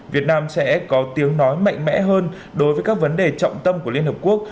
việt nam sẽ có tiếng nói mạnh mẽ hơn đối với các vấn đề trọng tâm của liên hợp quốc